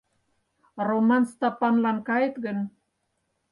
«Роман Стапанлан кает гын